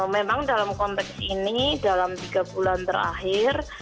memang dalam konteks ini dalam tiga bulan terakhir